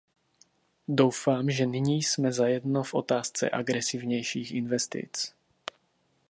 Doufám, že nyní jsme za jedno v otázce agresivnějších investic.